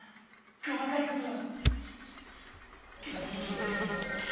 こまかいことはシュッシュッシュかぜにきいてくれ。